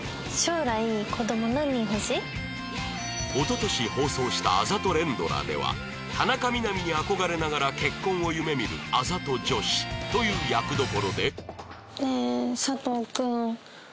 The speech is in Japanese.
おととし放送したあざと連ドラでは田中みな実に憧れながら結婚を夢見るあざと女子という役どころで